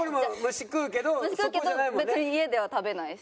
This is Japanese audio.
虫食うけど別に家では食べないし。